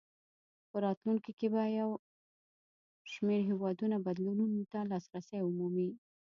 په راتلونکو کې به یو شمېر هېوادونه بدلونونو ته لاسرسی ومومي.